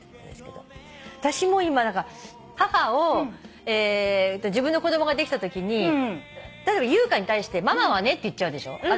私も母を自分の子供ができたときに例えば優香に対して「ママはね」って言っちゃうでしょ。